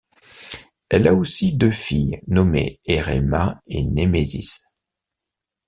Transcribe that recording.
Elle a aussi deux filles, nommées Herema et Némésis.